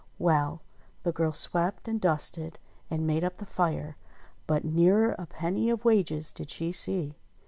Well ! the girl swept, and dusted, and made up the fire ; but ne'er a penny of wages did she see.